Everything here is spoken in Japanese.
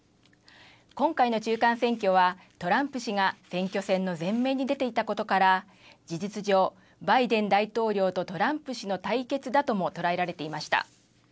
今回の中間選挙はトランプ氏が選挙戦の前面に出ていたことから事実上、バイデン大統領とトランプ氏の対決だとも捉えられていました。